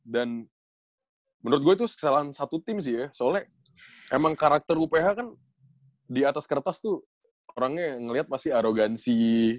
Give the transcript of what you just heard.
dan menurut gue itu salah satu tim sih ya soalnya emang karakter uph kan di atas kertas tuh orangnya ngeliat masih arogansi